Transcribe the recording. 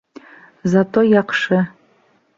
Зато яҡшы...